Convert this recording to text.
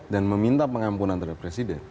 dan meminta pengampunan dari presiden